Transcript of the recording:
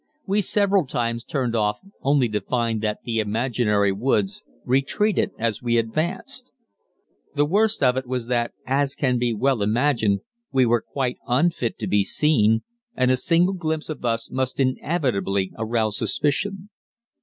We several times turned off only to find that the imaginary woods retreated as we advanced. The worst of it was that, as can well be imagined, we were quite unfit to be seen, and a single glimpse of us must inevitably arouse suspicion.